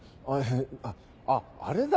あっあれだ